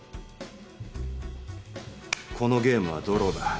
このゲームはドローだ。